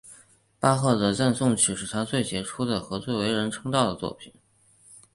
巴赫的颂赞曲是他最杰出的和最为人称道的作品。